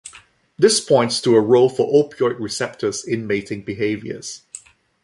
This points to a role for opioid receptors in mating behaviors.